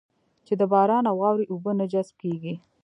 چې د باران او واورې اوبه نه جذب کېږي.